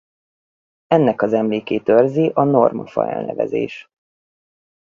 Ennek az emlékét őrzi a Normafa elnevezés.